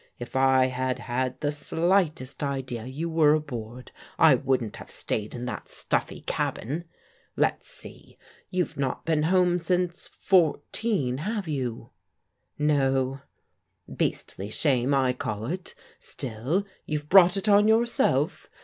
If I had had the slightest idea you were aboard, I wouldn't have stayed in that stuffy cabin. Let's see, you've not been home since '14, have you?" " No." " Beastly shame, I call it Still you've brought it on yourself.